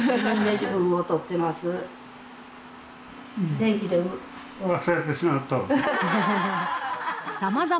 自分を撮ってます。